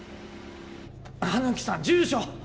羽貫さん住所！